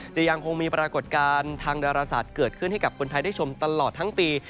ยังคงมีปรากฏการณ์ทางดาราศาสตร์เกิดขึ้นให้กับคนไทยได้ชมตลอดทั้งปี